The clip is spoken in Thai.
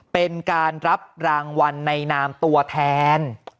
เป็นการรับรางวัลในนามตัวแทน